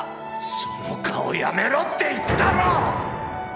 その顔やめろって言ったろ！